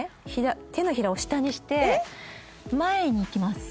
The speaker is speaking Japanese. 手のひらを下にして前にいきます